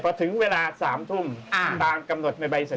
เพราะถึงเวลา๓ทุ่มตามกำหนดในใบสัญญาณ